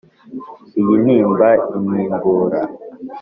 Iyi ntimba intimbura